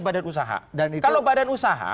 badan usaha dan kalau badan usaha